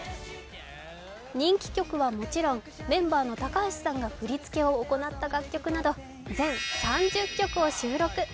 人気曲はもちろん、メンバーの高橋さんが振り付けを行った楽曲など全３０曲を収録。